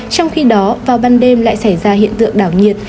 trong khi đó vào ban đêm lại xảy ra hiện tượng đảo nhiệt